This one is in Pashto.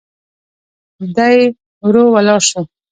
دی ورو ولاړ شو.